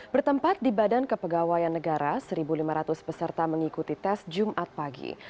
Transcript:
bertempat di badan kepegawaian negara satu lima ratus peserta mengikuti tes jumat pagi